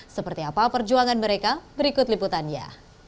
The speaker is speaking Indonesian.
seperti apa perjuangan mereka berikut liputannya